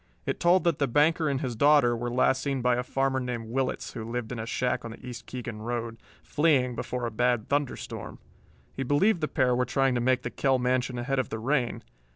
It told that the banker and his daughter were last seen by a farmer named Willetts who lived in a shack on the East Keegan road, fleeing before a bad thunder storm. He believed the pair were trying to make the Kell mansion ahead of the rain.